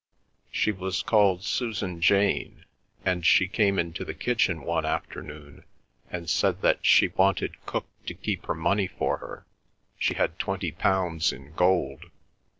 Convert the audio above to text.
She was called Susan Jane, and she came into the kitchen one afternoon, and said that she wanted cook to keep her money for her; she had twenty pounds in gold.